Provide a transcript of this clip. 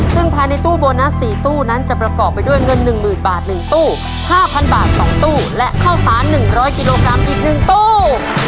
ซึ่งภายในตู้โบนัส๔ตู้นั้นจะประกอบไปด้วยเงิน๑๐๐๐บาท๑ตู้๕๐๐บาท๒ตู้และข้าวสาร๑๐๐กิโลกรัมอีก๑ตู้